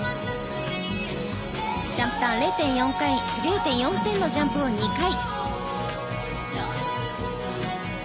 ジャンプターン０．４点のジャンプを２回。